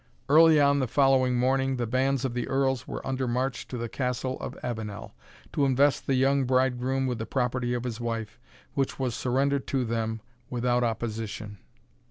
Early on the following morning the bands of the Earls were under march to the Castle of Avenel, to invest the young bridegroom with the property of his wife, which was surrendered to them without opposition.